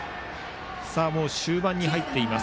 終盤に入っています。